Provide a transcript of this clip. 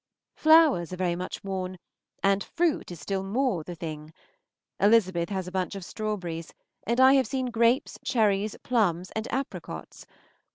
Flowers are very much worn, and fruit is still more the thing. Elizabeth has a bunch of strawberries, and I have seen grapes, cherries, plums, and apricots.